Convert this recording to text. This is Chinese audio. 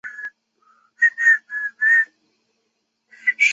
谨慎管理社团内贴文